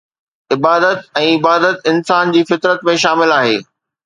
عبادت ۽ عبادت انسان جي فطرت ۾ شامل آهي